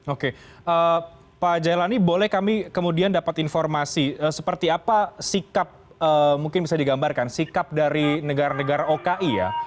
oke pak jailani boleh kami kemudian dapat informasi seperti apa sikap mungkin bisa digambarkan sikap dari negara negara oki ya